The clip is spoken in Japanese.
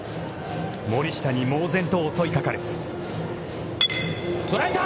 森下に猛然と襲いかかる。